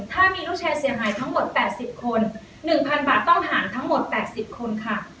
ถ้ามีลูกแชร์เสียหายทั้งหมดแปดสิบคนหนึ่งพันบาทต้องหารทั้งหมดแปดสิบคนค่ะ